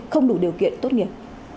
không đủ điều kiện tốt nghiệp